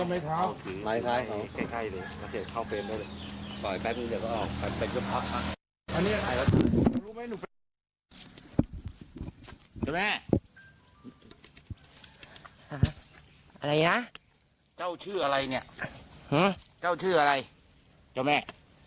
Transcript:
อะไรนะเจ้าชื่ออะไรเนี่ยเจ้าชื่ออะไรเจ้าแม่